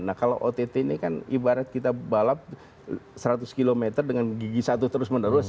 nah kalau ott ini kan ibarat kita balap seratus km dengan gigi satu terus menerus